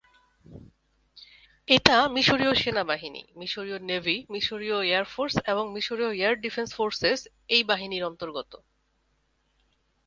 এটা মিশরীয় সেনাবাহিনী, মিশরীয় নেভি, মিশরীয় এয়ার ফোর্স এবং মিশরীয় এয়ার ডিফেন্স ফোর্সেস এই বাহিনীর অন্তর্গত।